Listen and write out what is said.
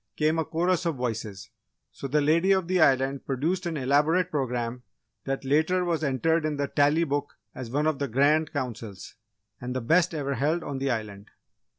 came a chorus of voices, so the Lady of the Island produced an elaborate programme that later was entered in the Tally Book as one of the Grand Councils and the best ever held on the Island.